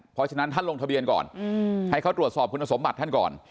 เพราะฉะนั้นท่านลงทะเบียนก่อนให้เขาตรวจสอบคุณสมบัติท่านก่อน